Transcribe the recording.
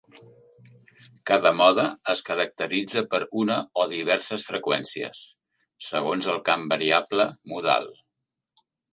Cada mode es caracteritza per una o diverses freqüències, segons el camp variable modal.